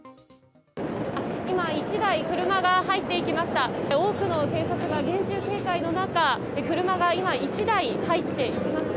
今、１台車が入っていきました。